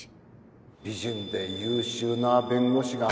美人で優秀な弁護士が